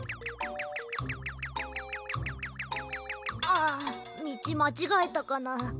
あみちまちがえたかな。